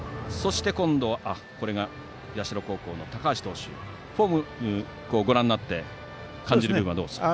社高校の高橋投手のフォームをご覧になって感じる部分はどうですか。